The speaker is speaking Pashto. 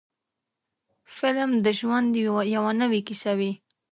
فلم د ژوند یوه نوې کیسه وي.